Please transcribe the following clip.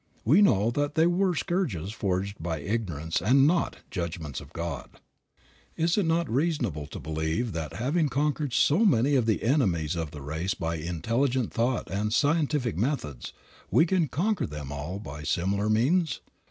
We know that they were scourges forged by ignorance and not "judgments" of God. Is it not reasonable to believe that, having conquered so many of the enemies of the race by intelligent thought and scientific methods, we can conquer them all by similar means?